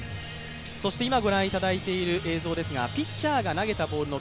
今、ご覧いただいている映像ですがピッチャーが投げた球の